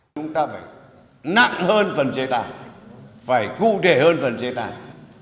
chúng ta phải nặng hơn phần chế tài phải cụ thể hơn phần chế tài